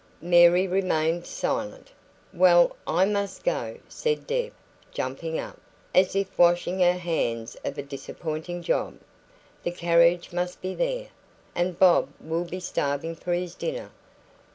Mary remained silent. "Well, I must go," said Deb, jumping up, as if washing her hands of a disappointing job. "The carriage must be there, and Bob will be starving for his dinner.